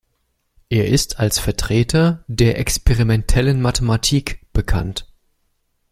Er ist als Vertreter der "Experimentellen Mathematik" bekannt.